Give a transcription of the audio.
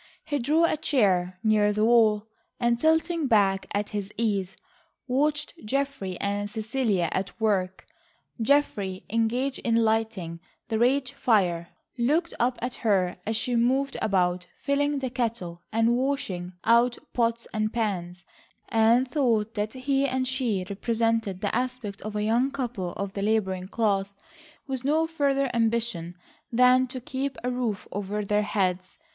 He drew a chair near the wall, and tilting back at his ease, watched Geoffrey and Cecilia at work. Geoffrey, engaged in lighting the range fire, looked up at her as she moved about filling the kettle and washing out pots and pans, and thought that he and she presented the aspect of a young couple of the labouring class with no further ambition than to keep a roof over their heads.